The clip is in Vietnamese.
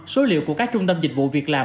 số liệu của các trung tâm dịch vụ việt nam